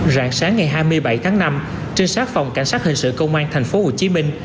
rạng sáng ngày hai mươi bảy tháng năm trinh sát phòng cảnh sát hình sự công an thành phố hồ chí minh